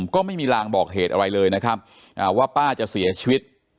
ก็ไม่มีรางบอกเหตุอะไรเลยนะครับว่าป้าจะเสียชีวิต